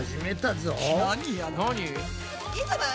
いいんじゃない？